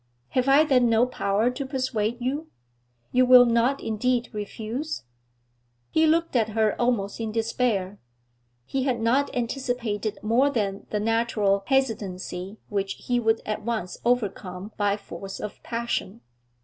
Have I then no power to persuade you? You will not indeed refuse?' He looked at her almost in despair. He had not anticipated more than the natural hesitancy which he would at once overcome by force of passion.